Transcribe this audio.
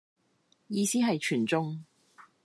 意思係全中